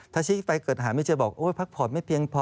ถ้าชี้ไปเกิดหาไม่เจอบอกโอ้ยพักผ่อนไม่เพียงพอ